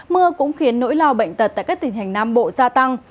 mưa cũng khiến nỗi lo bệnh tật tại các tình hình nam bộ gia tăng